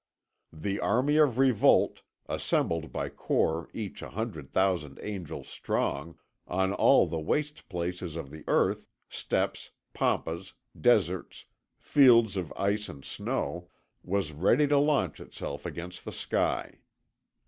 The army of revolt, assembled by corps each a hundred thousand angels strong, on all the waste places of the earth steppes, pampas, deserts, fields of ice and snow was ready to launch itself against the sky.